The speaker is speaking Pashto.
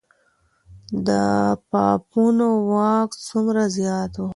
د پاپانو واک څومره زیات و؟